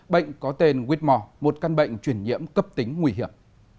bệnh có tên whitmore một căn bệnh truyền nhiễm cấp tính nguy hiểm